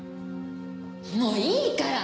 もういいから！